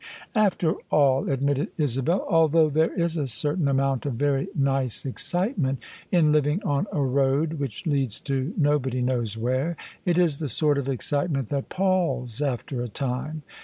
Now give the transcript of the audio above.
" After all," admitted Isabel, " althou^ there is a cer tain amount of very nice excitement in living on a road which leads to nobody knows where, it is the sort of excite ment that palls after a time.